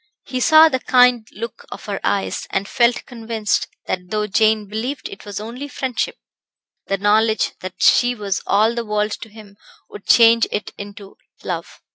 He saw the kind look of her eyes; and felt convinced that though Jane believed it was only friendship, the knowledge that she was all the world to him would change it into love.